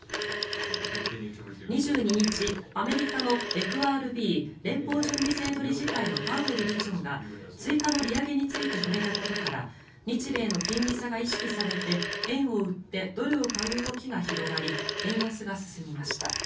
２２日、アメリカのＦＲＢ・連邦準備制度理事会のパウエル議長が追加の利上げについて触れたことから日米の金利差が意識されて円を売ってドルを買う動きが広がり円安が進みました。